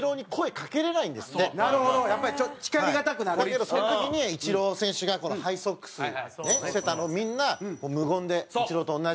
だけどその時にイチロー選手がハイソックスしてたのをみんな無言でイチローと同じ。